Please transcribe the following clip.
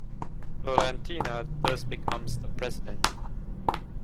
Florentyna thus becomes the President.